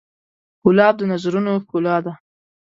ګلاب د نظرونو ښکلا ده.